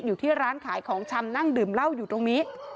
อยู่ที่ร้านขายของชำนั่งดื่มเหล้าอยู่ตรงนี้